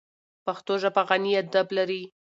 پښتو ژبه غني ادب لري.